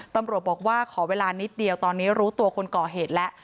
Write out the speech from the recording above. ตำรวจบอกว่าขอเวลานิดเดียวตอนนี้รู้ตัวคนก่อเหตุแล้ว